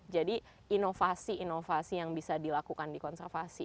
jadi inovasi inovasi yang bisa dilakukan di konservasi